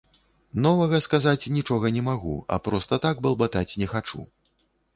Новага сказаць нічога не магу, а проста так балбатаць не хачу.